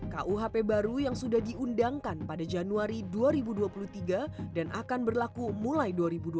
kuhp baru yang sudah diundangkan pada januari dua ribu dua puluh tiga dan akan berlaku mulai dua ribu dua puluh